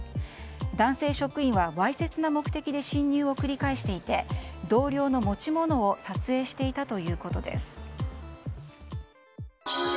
男性職員はわいせつな目的で侵入を繰り返していて同僚の持ち物を撮影していたということです。